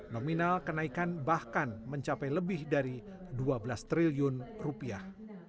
nominal kenaikan bahkan mencapai lebih dari dua belas triliun rupiah